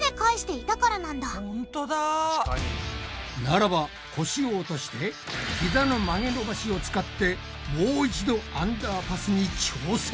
ならば腰を落としてひざの曲げ伸ばしを使ってもう一度頑張れ！